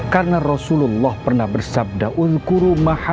karena rasulullah pernah bersabda